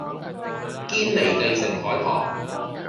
堅彌地城海旁